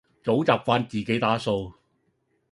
早習慣自己打掃